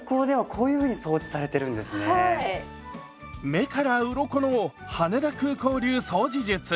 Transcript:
目からうろこの羽田空港流掃除術。